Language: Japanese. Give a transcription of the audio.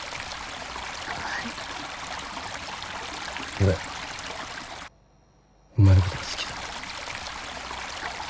俺お前のことが好きだ。